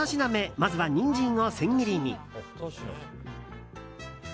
まずはニンジンを千切りに。